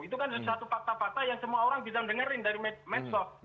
itu kan satu fakta fakta yang semua orang bisa dengerin dari medsos